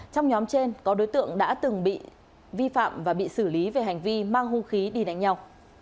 trong nhóm trên có đối tượng đã từng bị vi phạm và bị xử lý về hành vi mang hung khí đi đánh nhau